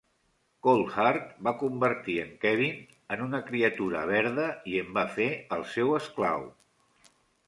Coldheart va convertir en Kevin en una criatura verda i en va fer el seu esclau.